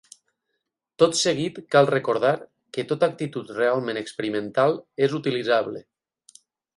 Tot seguit cal recordar que tota actitud realment experimental és utilitzable.